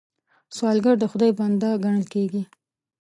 سوالګر د خدای بنده ګڼل کېږي